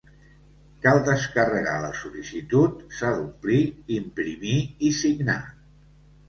Cal descarregar la sol·licitud, s'ha d'omplir, imprimir i signar.